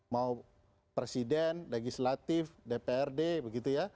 mau presiden legislatif dprd begitu ya